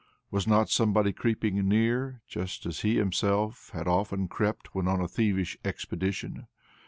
Was not somebody creeping near, just as he himself had often crept when on a thievish expedition?